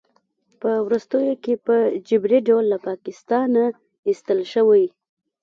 په وروستیو کې په جبري ډول له پاکستانه ایستل شوی